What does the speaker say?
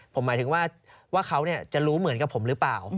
ผมหมายถึงว่าเขาจะรู้เหมือนกับผมหรือเปล่า